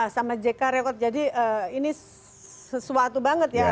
sama jk rekod jadi ini sesuatu banget ya